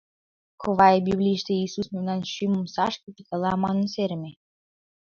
— Ковай, Библийыште Иисус мемнан шӱм омсашке тӱкала манын серыме.